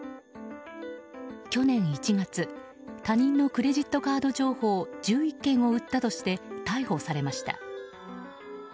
去年１月他人のクレジットカード情報１１件を売ったとして、逮捕されました。